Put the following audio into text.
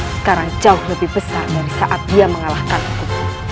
sekarang jauh lebih besar dari saat dia mengalahkanku